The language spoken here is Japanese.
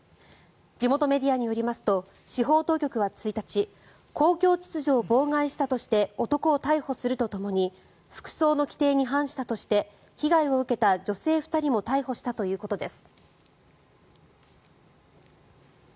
地元メディアによりますと司法当局は１日公共秩序を妨害したとして男を逮捕するとともに服装の規定に反したとして被害を受けた女性２人も逮捕したということです。